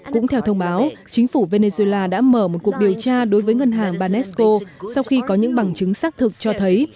cũng theo thông báo chính phủ venezuela đã mở một cuộc điều tra đối với ngân hàng baesco sau khi có những bằng chứng xác thực cho thấy